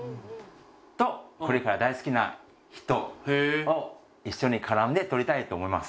とこれから大好きな人を一緒に絡んで撮りたいと思います。